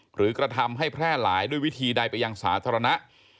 หรือกระทำให้แพร่หลายด้วยวิธีใดไปยังสาธารณะ